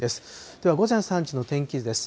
では午前３時の天気図です。